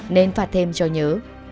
nên phạt thêm cho nhớ